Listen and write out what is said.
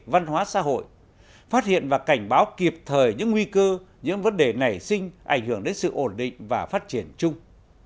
văn hóa xã hội phát hiện và cảnh báo kịp thời những nguy cơ những vấn đề nảy sinh ảnh hưởng đến sự ổn định và phát triển chung